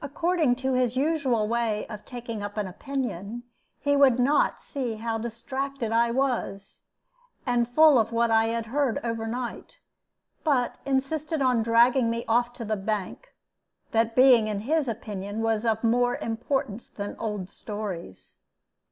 According to his usual way of taking up an opinion, he would not see how distracted I was, and full of what I had heard overnight, but insisted on dragging me off to the bank, that being in his opinion of more importance than old stories.